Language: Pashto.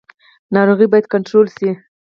ناروغي باید کنټرول شي